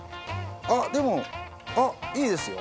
あっでもあっいいですよ。